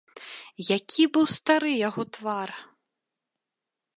Які быў стары яго твар!